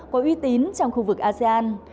có uy tín trong khu vực asean